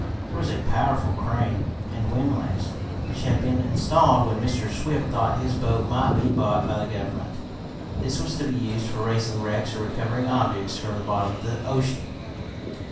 There was a powerful crane and windlass, which had been installed when Mr. Swift thought his boat might be bought by the Government. This was to be used for raising wrecks or recovering objects from the bottom of the ocean.